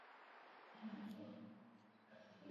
Jarraian Karel sintaxiaren adibide bat.